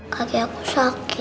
kaki aku sakit